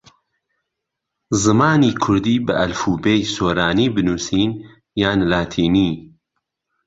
زمانی کوردی بە ئەلفوبێی سۆرانی بنووسین یان لاتینی؟